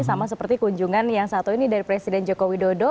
sama seperti kunjungan yang satu ini dari presiden joko widodo